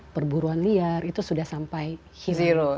perburuan liar itu sudah sampai hero